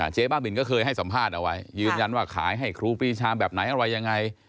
เจ๊บ้าบินก็เคยให้สัมภาษณ์เอาไว้ยืนยันว่าขายให้ครูปีชาแบบไหนอะไรยังไง